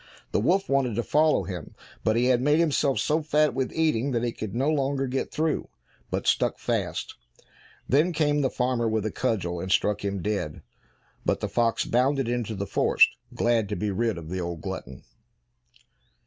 The wolf wanted to follow him, but he had made himself so fat with eating that he could no longer get through, but stuck fast. Then came the farmer with a cudgel and struck him dead, but the fox bounded into the forest, glad to be rid of the old glutton.